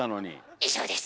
以上です！